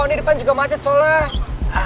ini depan juga macet soalnya